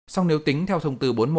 song nếu tính theo thông tư bốn mươi một